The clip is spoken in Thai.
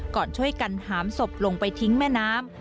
ก่อนช่วยกันหามศพลงไปทิ้งแม่น้ำ